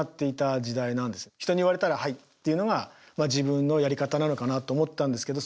人に言われたら「はい」っていうのが自分のやり方なのかなと思ったんですけど